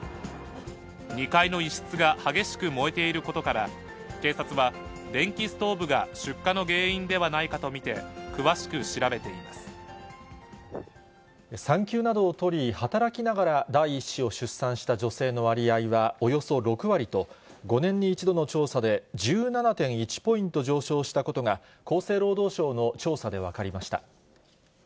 ２階の一室が激しく燃えていることから、警察は電気ストーブが出火の原因ではないかと見て詳しく調べてい産休などを取り、働きながら第１子を出産した女性の割合はおよそ６割と、５年に１度の調査で１７．１ポイント上昇したことが、厚生労働省の調査で分かりました。